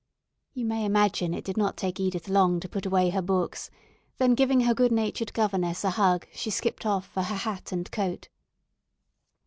You may imagine it did not take Edith long to put away her books; then giving her good natured governess a hug she skipped off for her hat and coat.